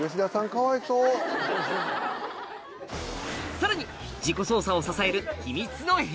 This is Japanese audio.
さらにお。